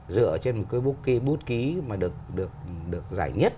dựa trên một cái booke bút ký mà được giải nhất